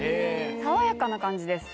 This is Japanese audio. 爽やかな感じです